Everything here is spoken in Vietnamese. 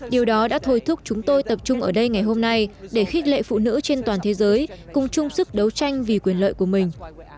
điều đó đã thôi thúc chúng tôi tập trung ở đây ngày hôm nay để khích lệ phụ nữ trên toàn thế giới cùng chung sức đấu tranh vì quyền lợi của mình